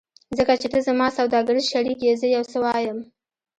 ځکه چې ته زما سوداګریز شریک یې زه یو څه وایم